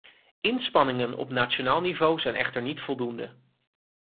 Inspanningen op nationaal niveau zijn echter niet voldoende.